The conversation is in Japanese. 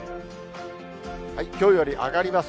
きょうより上がります。